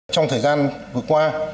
trong thời gian vừa qua